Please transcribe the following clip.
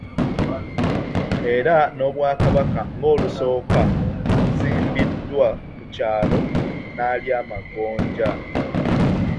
Era n'Obwakabaka ng'olusooka kuzimbiddwa ku kyalo Nalyamagonja